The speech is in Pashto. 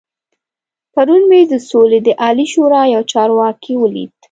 پرون مې د سولې د عالي شورا يو چارواکی ولید.